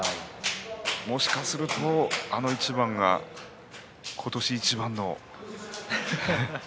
もしかすると、あの一番が今年いちばんの。